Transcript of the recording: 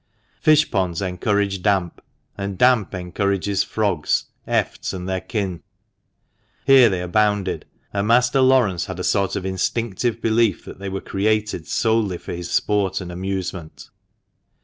Fish ponds encourage damp, and damp encourages frogs, efts, and their kin. Here they abounded, and Master Laurence had a sort of instinctive belief that they were created solely for his sport and amusement.